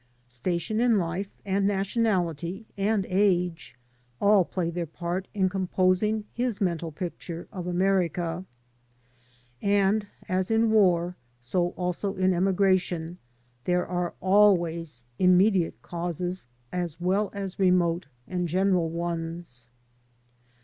Station in life, and nationality, and age, all play their part in composing his mental picture of America. And, as in war, so also in emigration, there are always immediate causes as well as remote and general ones.